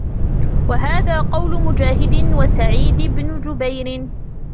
وَهَذَا قَوْلُ مُجَاهِدٍ وَسَعِيدِ بْنِ جُبَيْرٍ